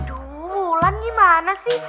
aduh wulan gimana sih